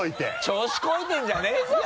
調子こいてるんじゃねぇぞおい！